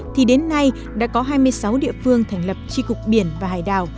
thì đến nay đã có hai mươi sáu địa phương thành lập tri cục biển và hải đảo